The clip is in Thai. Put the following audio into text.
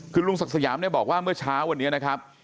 คือลุงศักดิ์สยามเนี่ยบอกว่าเมื่อเช้าวันนี้นะครับ